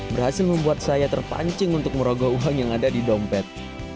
berhasil membuat saya terpancing untuk merogoh uang yang ada di dompet